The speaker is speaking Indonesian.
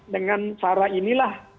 dengan cara inilah